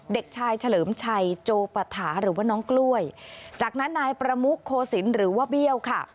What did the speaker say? เด็กชายเฉลิมชัยโจปฐาหรือว่าน้องกล้วยจากนั้นนายประมุกโคศิลป์หรือว่าเบี้ยวค่ะ